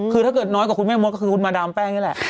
คือถ้าเกิดน้อยกว่าคุณแม่มดก็คือคุณมาดามแป้งนี่แหละ